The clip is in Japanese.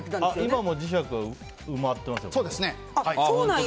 今も磁石が埋まっていますよ。